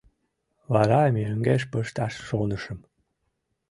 Вара мӧҥгеш пышташ шонышым.